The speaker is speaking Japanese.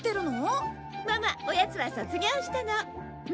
ママおやつは卒業したの。